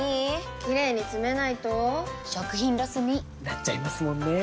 キレイにつめないと食品ロスに．．．なっちゃいますもんねー！